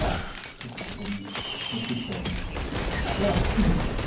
ちょっとここに持ってきちゃいましたけどこれが月ですよ。